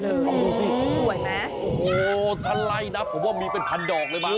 ดูสิสวยมั้ยโอ้โฮทันไล่นะผมว่ามีเป็นพันดอกเลยมาก